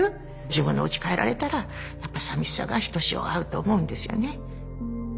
自分のおうち帰られたらやっぱさみしさがひとしおあると思うんですよね。